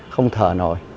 không thở nổi